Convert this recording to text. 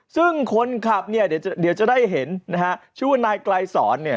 ซึ่งคนขับเนี่ยเดี๋ยวจะได้เห็นนะฮะชื่อว่านายไกลสอน